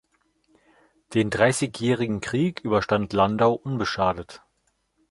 Den Dreißigjährigen Krieg überstand Landau unbeschadet.